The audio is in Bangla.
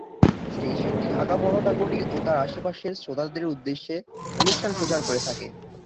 স্টেশনটি ঢাকা মহানগরী ও তার আশেপাশের শ্রোতাদের উদ্দেশ্যে অনুষ্ঠান প্রচার করে থাকে।